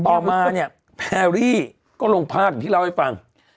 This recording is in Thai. ต่อมาเนี่ยแพรรี่ก็ลงพากษ์ที่เล่าให้ฟัง